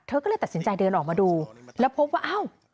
ก็เลยตัดสินใจเดินออกมาดูแล้วพบว่าอ้าว